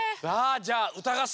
じゃあうたがっ